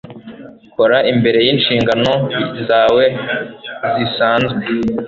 Kora imbere yinshingano zawe zisanzwe